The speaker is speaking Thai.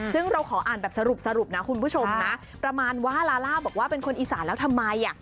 ซึ่งเราขออ่านแบบสรุปนะคุณผู้ชมนะประมาณว่าลาล่าบอกว่าเป็นคนอีสานแล้วทำไมอ่ะ